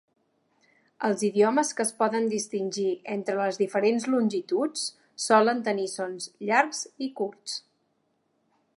Els idiomes que es poden distingir entre les diferents longituds solen tenir sons llargs i curts.